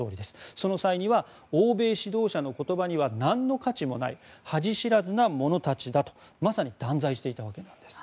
その際には欧米指導者の言葉にはなんの価値もない恥知らずな者たちだとまさに断罪していたわけです。